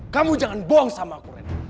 kamu jangan bohong sama aku reno